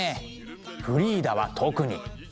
フリーダは特に。